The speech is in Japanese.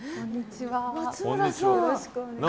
よろしくお願いします。